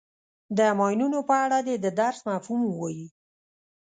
د ماینونو په اړه دې د درس مفهوم ووایي.